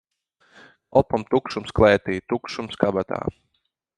Kalpam tukšums klētī, tukšums kabatā.